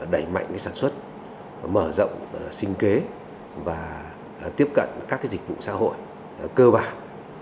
đẩy mạnh sản xuất mở rộng sinh kế và tiếp cận các dịch vụ xã hội cơ bản